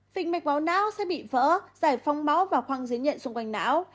phình mạch máu não sẽ bị vỡ giải phong máu và khoang dưới nhện xung quanh não